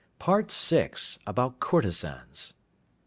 PART VI. ABOUT COURTESANS.